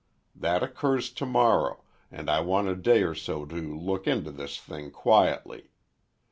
That occurs tomorrow, and I want a day or so to look into this thing quietly.